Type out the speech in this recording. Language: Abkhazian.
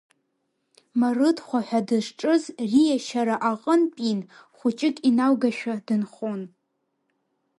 Марыҭхәа ҳәа дызҿыз риашьара аҟынтәин, хәыҷык иналгашәа дынхон.